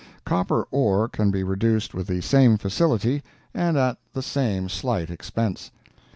Copper ore can be reduced with the same facility and at the same slight expense.